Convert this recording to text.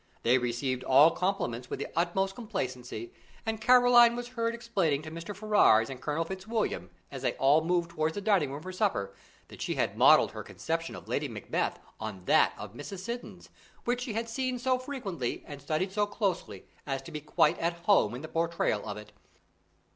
They received all compliments with the utmost complacency, and Caroline was heard explaining to Mr. Ferrars and Colonel Fitzwilliam, as they all moved towards the dining room for supper, that she had modelled her conception of Lady Macbeth on that of Mrs. Siddons, which she had seen so frequently and studied so closely as to be quite at home in the portrayal of it.